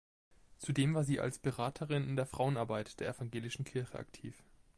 Zudem war sie als Beraterin in der Frauenarbeit der evangelischen Kirche aktiv.